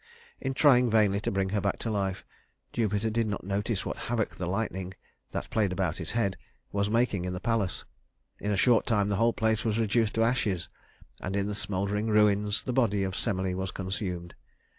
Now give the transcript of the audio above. In trying vainly to bring her back to life, Jupiter did not notice what havoc the lightning, that played about his head, was making in the palace. In a short time the whole place was reduced to ashes, and in the smouldering ruins the body of Semele was consumed.